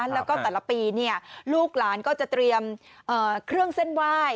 แล้วก็แต่ละปีลูกหลานก็จะเตรียมเครื่องเส้นไหว้